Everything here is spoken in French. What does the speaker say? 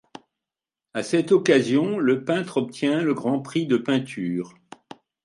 À cette occasion, le peintre obtient le grand prix de peinture.